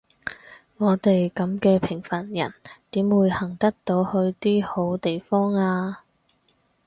我哋噉嘅平凡人點會行得到去啲好地方呀？